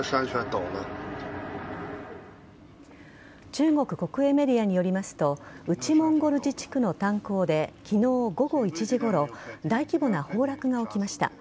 中国国営メディアによりますと内モンゴル自治区の炭鉱で昨日午後１時ごろ大規模な崩落が起きました。